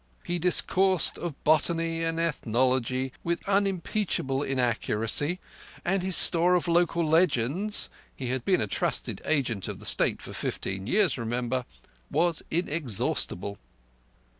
He discoursed of botany and ethnology with unimpeachable inaccuracy, and his store of local legends—he had been a trusted agent of the State for fifteen years, remember—was inexhaustible.